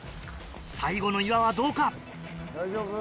最後の岩はどうか？